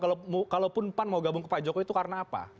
kalaupun pan mau gabung ke pak jokowi itu karena apa